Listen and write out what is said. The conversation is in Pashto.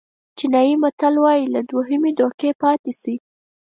چینایي متل وایي له دوهمې دوکې پاتې شئ.